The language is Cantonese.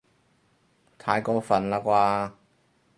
太過分喇啩